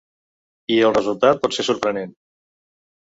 I el resultat pot ser sorprenent.